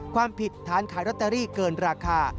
ความผิดฐานขายลอตเตอรี่เกินราคา